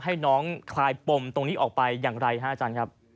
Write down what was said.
ให้น้องคลายปมตรงนี้ออกไปอย่างไรฮะอาจารย์ครับ